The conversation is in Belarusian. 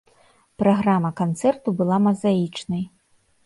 Праграма канцэрту была мазаічнай.